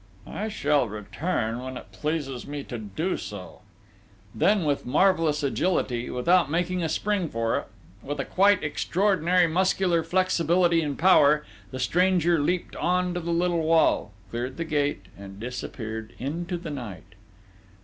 "I shall return when it pleases me to do so." Then, with marvellous agility, without making a spring for it, with a quite extraordinary muscular flexibility and power, the stranger leaped on to the little wall, cleared the gate, and disappeared into the night....